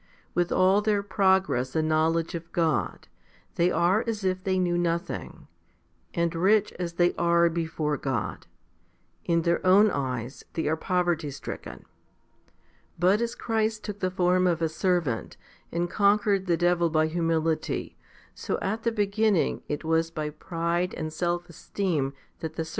With all their progress and knowledge of God, they are as if they knew nothing, and rich as they are before God, in their own eyes they are poverty stricken. But as Christ took the form of a servant? and conquered the devil by humility, so at the beginning it was by pride and self esteem that the serpent 1 i Tim.